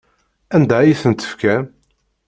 Anda ay tent-tefkam?